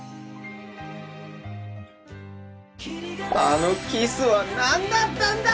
あのキスはなんだったんだ！！